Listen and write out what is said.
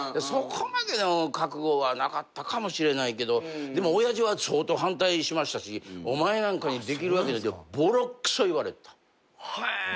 そこまでの覚悟はなかったかもしれないけどでも親父は相当反対しましたしお前なんかにできるわけないってぼろくそ言われた。